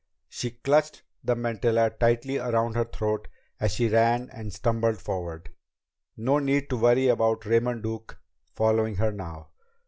She clutched the mantilla tightly around her throat as she ran and stumbled forward. No need to worry about Raymond Duke following her now!